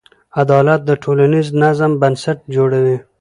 عدالت د ټولنیز نظم بنسټ جوړوي.